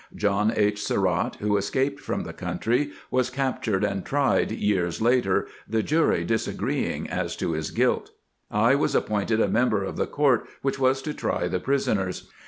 John H. Surratt, who escaped from the country, was captured and tried years later, the jury disagreeing as to his guilt. I was appointed a member of the court which was to try the prisoners.